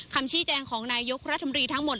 คำชี้แจงของนายยกรัฐมนตรีทั้งหมด